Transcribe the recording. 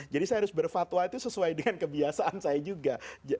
jadi saya harus berfatwa itu sesuai dengan kebiasaan saya juga